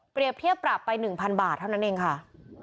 เทียบปรับไป๑๐๐บาทเท่านั้นเองค่ะ